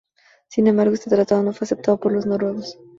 Sin embargo, este tratado no fue aceptado por los noruegos.